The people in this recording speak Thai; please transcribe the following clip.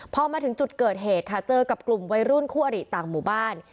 พอมาถึงจุดเกิดเหตุค่ะเจอกับกลุ่มวัยรุ่นคู่อริต่างหมู่บ้าน